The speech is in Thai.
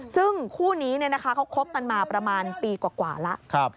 ซึ่งคู่นี้เขาคบกันมาประมาณปีกว่าแล้ว